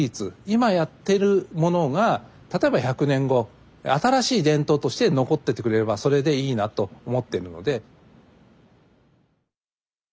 今やってるものが例えば１００年後新しい伝統として残っててくれればそれでいいなと思ってるので。